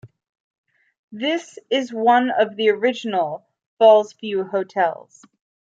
This is one of the original Fallsview hotels.